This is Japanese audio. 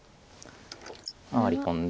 ワリ込んで。